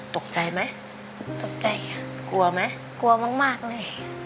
ตกใจไหมตกใจค่ะกลัวไหมกลัวมากเลย